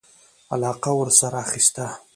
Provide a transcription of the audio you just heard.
علاقه ورسره اخیسته.